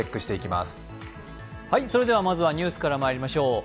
まずはニュースからまいりましょう。